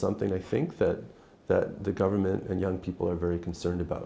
những người trẻ không phải đợi bây giờ